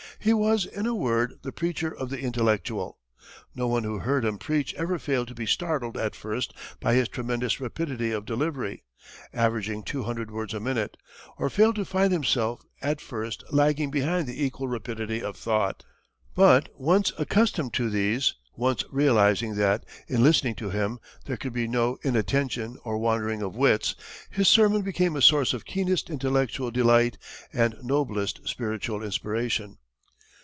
He was, in a word, the preacher of the intellectual. No one who heard him preach ever failed to be startled at first by his tremendous rapidity of delivery averaging two hundred words a minute or failed to find himself, at first, lagging behind the equal rapidity of thought. But once accustomed to these once realizing that, in listening to him there could be no inattention or wandering of wits his sermon became a source of keenest intellectual delight and noblest spiritual inspiration.